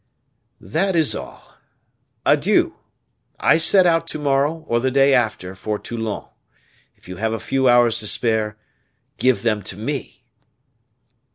"That is all. Adieu! I set out to morrow, or the day after, for Toulon. If you have a few hours to spare, give them to me."